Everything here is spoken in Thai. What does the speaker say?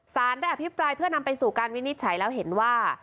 สารได้อภิปรายเพื่อนำไปสู่การวินิจฉัยแล้วเห็นว่า